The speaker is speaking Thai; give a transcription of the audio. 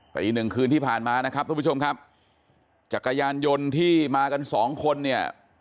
แต่อีกหนึ่งคืนที่ผ่านมานะครับทุกผู้ชมครับจักรยานยนต์ที่มากันสองคนเนี่ย